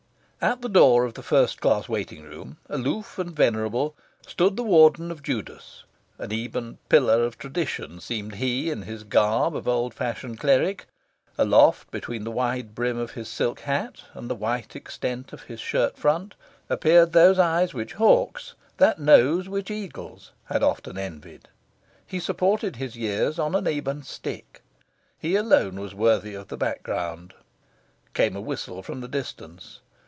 At the door of the first class waiting room, aloof and venerable, stood the Warden of Judas. An ebon pillar of tradition seemed he, in his garb of old fashioned cleric. Aloft, between the wide brim of his silk hat and the white extent of his shirt front, appeared those eyes which hawks, that nose which eagles, had often envied. He supported his years on an ebon stick. He alone was worthy of the background. Came a whistle from the distance.